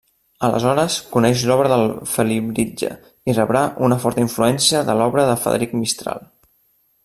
Aleshores coneix l'obra del Felibritge i rebrà una forta influència de l'obra de Frederic Mistral.